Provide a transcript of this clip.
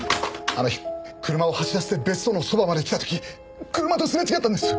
あの日車を走らせて別荘のそばまで来た時車とすれ違ったんです。